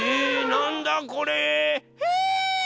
なんだこれ？えっ？